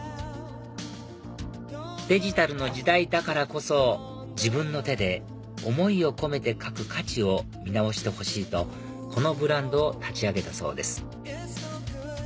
デジタルの時代だからこそ自分の手で思いを込めて書く価値を見直してほしいとこのブランドを立ち上げたそうです